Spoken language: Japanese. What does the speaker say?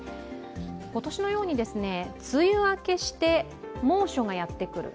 今年のように梅雨明けして、猛暑がやってくる。